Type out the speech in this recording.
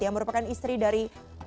yang merupakan istri dari